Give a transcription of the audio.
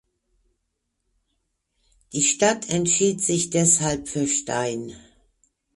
Die Stadt entschied sich deshalb für Stein.